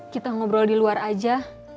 kita ngobrol di luar aja